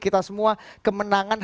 kita semua kemenangan